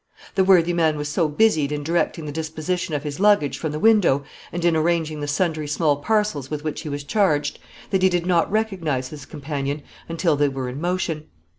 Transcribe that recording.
The worthy man was so busied in directing the disposition of his luggage from the window, and in arranging the sundry small parcels with which he was charged, that he did not recognize his companion until they were in motion.